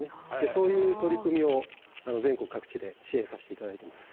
そういう取り組みを全国各地で支援させて頂いてます。